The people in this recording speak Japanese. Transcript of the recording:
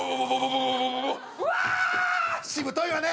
しぶといわね！